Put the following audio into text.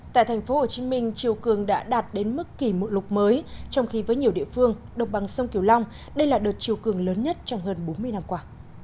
tại tp hcm chiều cường đã đạt đến mức kỳ mụ lục mới trong khi với nhiều địa phương đồng bằng sông kiều long đây là đợt chiều cường lớn nhất trong hơn bốn mươi năm qua